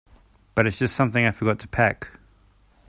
But it's just something I forgot to pack.